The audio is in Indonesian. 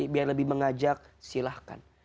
biar lebih mengajak silahkan